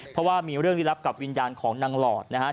เพราะว่ามีเรื่องลี้ลับกับวิญญาณของนางหลอดนะครับ